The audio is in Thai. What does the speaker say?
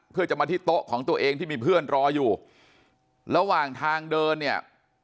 เพื่อจะมาที่โต๊ะของตัวเองที่มีเพื่อนรออยู่ระหว่างทางเดินเนี่ย